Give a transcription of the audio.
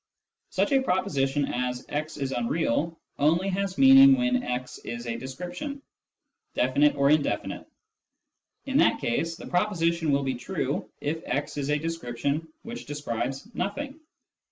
Such a proposition as " x is unreal " only has meaning when " x " is a description, definite or indefinite ; in that case the proposition will be true if " x " is a description which describes nothing.